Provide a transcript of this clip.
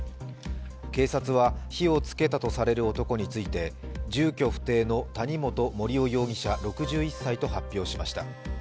警察は火をつけたとされる男について住居不定の谷本盛雄容疑者６１歳と発表しました。